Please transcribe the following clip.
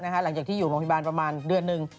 หลังจากที่อยู่โรงพยาบาลประมาณเดือนหนึ่ง